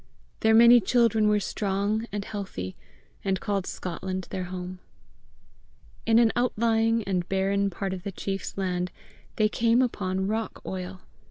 Their many children were strong and healthy, and called Scotland their home. In an outlying and barren part of the chief's land, they came upon rock oil.